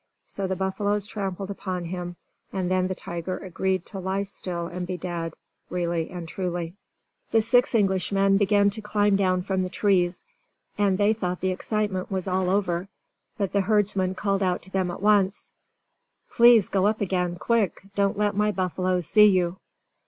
So the buffaloes trampled upon him, and then the tiger agreed to lie still and be dead, really and truly. The six Englishmen began to climb down from the trees, as they thought the excitement was all over. But the herdsman called out to them at once: "Please go up again quick! Don't let my buffaloes see you!"